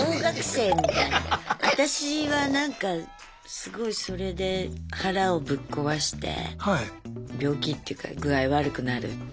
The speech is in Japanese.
私はなんかすごいそれで腹をぶっ壊して病気っていうか具合悪くなるとか。